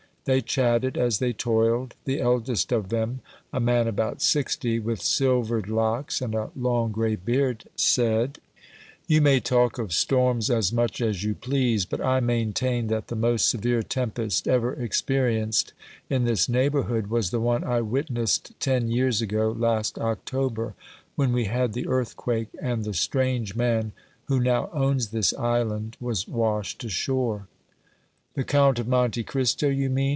They chatted as they toiled. The eldest of them, a man about sixty, with silvered locks and a long gray beard, said: "You may talk of storms as much as you please, but I maintain that the most severe tempest ever experienced in this neighborhood was the one I witnessed ten years ago last October, when we had the earthquake and the strange man, who now owns this island, was washed ashore." "The Count of Monte Cristo you mean?"